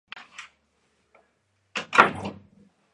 Sigue siendo una de las esperanzas futbolísticas en su país.